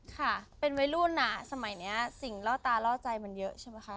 ค่ะเป็นวัยรุ่นอ่ะสมัยนี้สิ่งล่อตาล่อใจมันเยอะใช่ไหมคะ